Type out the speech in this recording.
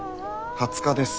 ２０日です。